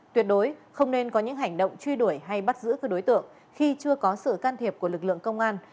tuyệt đối không nên có những hành động truy đuổi hay bắt giữ các đối tượng khi chưa có sự can thiệp của lực lượng công an